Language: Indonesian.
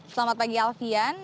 selamat pagi alfian